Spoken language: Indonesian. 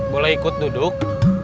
boleh ikut duduk